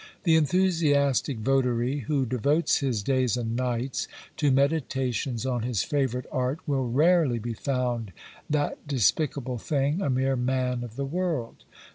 The enthusiastic votary, who devotes his days and nights to meditations on his favourite art, will rarely be found that despicable thing, a mere man of the world.